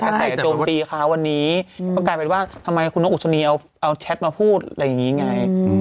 ก็ใส่โจมตีเขาวันนี้ก็กลายเป็นว่าทำไมคุณนกอุศนีเอาแชทมาพูดอะไรอย่างนี้ไง